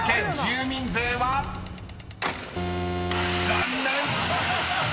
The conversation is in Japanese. ［残念！］